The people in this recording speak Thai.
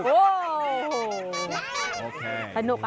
โอ้โหโอเคครับ